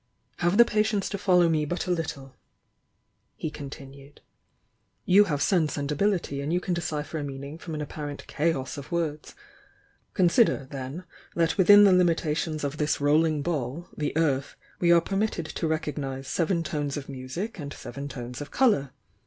"Have the patience to follow me but a little," he continued. "You have sense and ability and you can decipher a meaning from an apparent chaos of words. Consider, then, that within the limitations of this rolling ball, the earth, we are permitted to recognise seven tones of music and seven tones of colour.